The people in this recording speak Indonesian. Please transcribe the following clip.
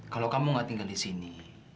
kalau kamu nggak tinggal di sini